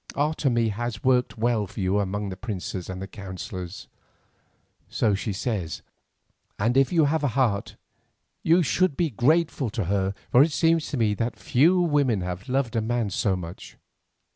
Otomie has worked well for you among the princes and the counsellors, so she says, and if you have a heart, you should be grateful to her, for it seems to me that few women have loved a man so much.